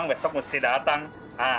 saya pamit dulu yah